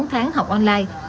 sau bốn tháng học online